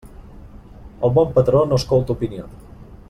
El bon patró no escolta opinió.